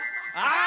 あ！